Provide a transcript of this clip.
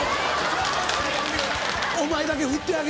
お前だけ振ってあげる。